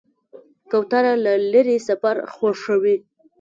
کوتره له لرې سفر خوښوي.